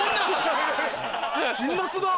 辛辣だ！